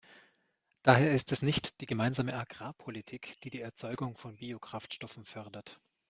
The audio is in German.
Daher ist es nicht die Gemeinsame Agrarpolitik, die die Erzeugung von Biokraftstoffen fördert.